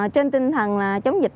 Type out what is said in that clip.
trên tinh thần là chống dịch